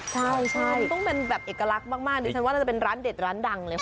ใช่ต้องเป็นแบบเอกลักษณ์มากดิฉันว่าน่าจะเป็นร้านเด็ดร้านดังเลย